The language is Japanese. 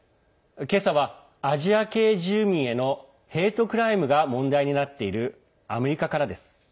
今朝は、アジア系住民へのヘイトクライムが問題になっているアメリカからです。